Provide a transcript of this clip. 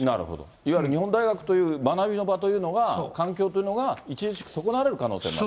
いわゆる日本大学という学びの場というのが、環境というのが著しく損なわれる可能性がある。